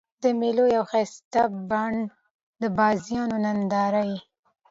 د مېلو یوه ښایسته بڼه د بازيو نندارې يي.